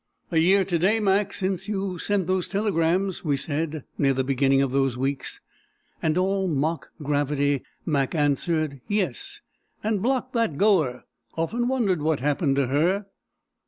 "A year to day, Mac, since you sent those telegrams!" we said, near the beginning of those weeks; and, all mock gravity, Mac answered "Yes! And blocked that Goer!... Often wondered what happened to her!"